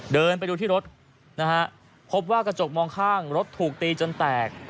เดินไปดูที่รถนะฮะพบว่ากระจกมองข้างรถถูกตีจนแตก